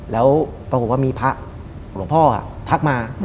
แล้วปรากฏว่ามีพระหลวงพ่อทักมา